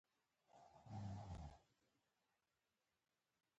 د خدمت دوام د پیرودونکو وفاداري ساتي.